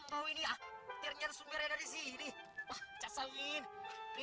tapi mau jual sapi